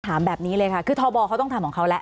ถามแบบนี้เลยค่ะคือทบเขาต้องทำของเขาแล้ว